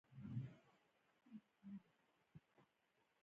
دا د چارو د ترسره کوونکو فعالیت ټاکي.